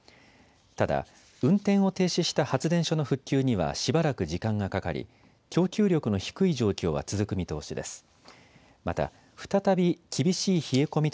ただ運転を停止した発電所の復旧にはしばらく時間がかかり供給力の低い状況は続く見通しです。